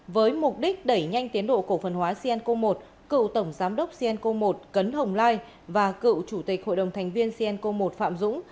với mục đích đẩy nhanh tiến độ cổ phần hóa cianco i cựu tổng giám đốc cenco một cấn hồng lai và cựu chủ tịch hội đồng thành viên cnco một phạm dũng